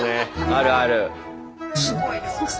あるある。